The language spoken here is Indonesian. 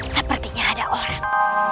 sepertinya ada orang